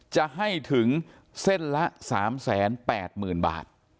จะให้ถึงเส้นละ๓๘๐๐๐บาท